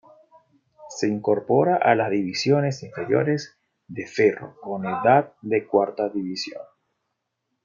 Se incorpora a las divisiones inferiores de Ferro con edad de cuarta división.